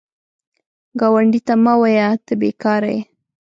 ګاونډي ته مه وایه “ته بېکاره یې”